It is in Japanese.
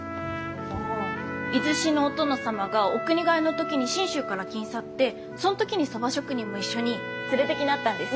出石のお殿様がお国替えの時に信州から来んさってそん時にそば職人も一緒に連れてきなったんです。